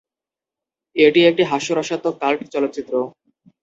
এটি একটি হাস্যরসাত্মক কাল্ট চলচ্চিত্র।